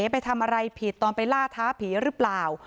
ไปทำอะไรผิดตอนไปล่าท้าผีหรือเปล่า